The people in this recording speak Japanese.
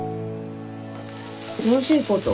楽しいこと？